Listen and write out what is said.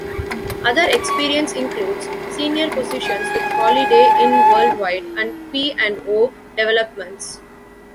Other experience includes senior positions with Holiday Inn Worldwide and P and O Developments.